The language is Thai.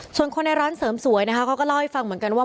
ส่วนคนในร้านเสริมสวยนะคะเขาก็เล่าให้ฟังเหมือนกันว่า